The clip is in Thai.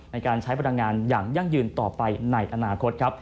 ในการใช้พลังงานอย่างยั่งยืนต่อไปในอนาคตครับ